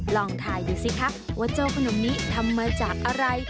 ลองถ่ายดูสิครับว่าเจ้าขนมนี้ทำมาจากอะไร